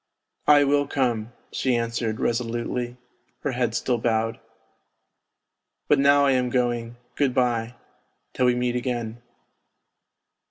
" I will come," she answered resolutely, her head still bowed. " But now I am going, good bye ... till we meet again."